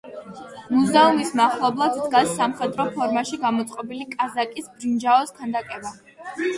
მუზეუმის მახლობლად დგას სამხედრო ფორმაში გამოწყობილი კაზაკის ბრინჯაოს ქანდაკება.